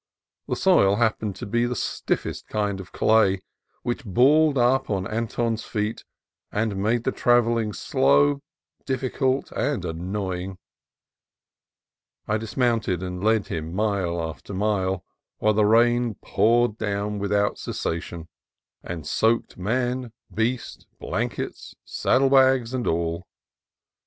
The soil happened to be the stiffest kind of clay, which balled up on Anton's feet, and made the trav elling slow, difficult, and annoying. I dismounted, and led him mile after mile, while the rain poured down without cessation, and soaked man, beast, blankets, saddle bags, and all.